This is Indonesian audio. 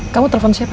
kamu telepon siapa